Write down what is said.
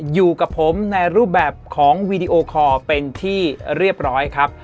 อยู่กับผมในรูปแบบของวีดีโอคอร์เป็นที่เรียบร้อยครับ